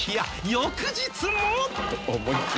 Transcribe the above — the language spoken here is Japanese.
翌日も？